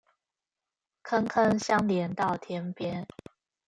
坑坑相連到天邊